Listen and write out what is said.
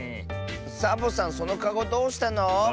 サボさんそのかごどうしたの？